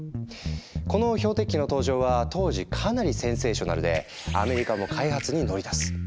この標的機の登場は当時かなりセンセーショナルでアメリカも開発に乗り出す。